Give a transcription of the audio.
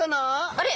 あれ！？